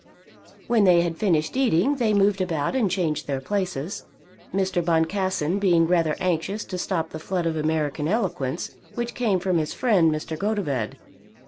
When they had finished eating they moved about and changed their places, Mr. Boncassen being rather anxious to stop the flood of American eloquence which came from his friend Mr. Gotobed.